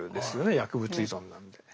薬物依存なんで。